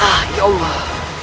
ah ya allah